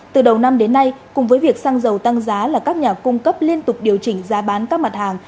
từ đầu năm đến nay cùng với việc xăng dầu tăng giá là các nhà cung cấp liên tục điều chỉnh giá bán các mặt hàng